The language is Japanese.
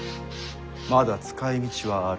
まだ使いみちはある。